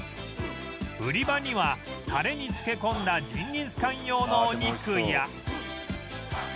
売り場にはタレに漬け込んだジンギスカン用のお肉や